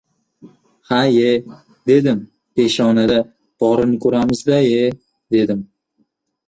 Ha-ye, dedim, peshonada borini ko‘ramizda-ye, dedim.